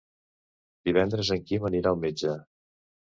Divendres en Quim anirà al metge.